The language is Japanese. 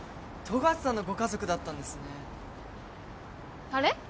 富樫さんのご家族だったんですね。